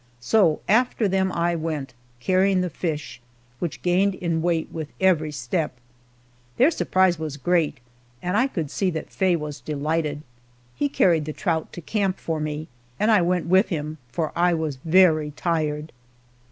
So after them I went, carrying the fish, which gained in weight with every step. Their surprise was great, and I could see that Faye was delighted. He carried the trout to camp for me, and I went with him, for I was very tired.